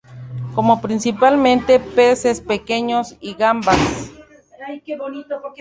Come principalmente peces pequeños y gambas.